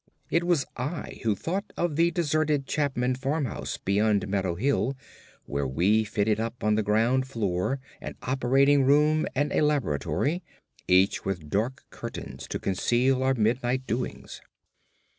It was I who thought of the deserted Chapman farmhouse beyond Meadow Hill, where we fitted up on the ground floor an operating room and a laboratory, each with dark curtains to conceal our midnight doings.